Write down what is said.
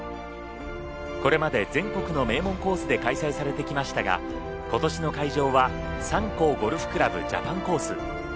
これまで全国の名門コースで開催されてきましたが今年の会場は三甲ゴルフ倶楽部ジャパンコース。